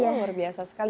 luar biasa sekali